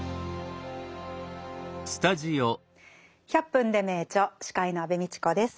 「１００分ｄｅ名著」司会の安部みちこです。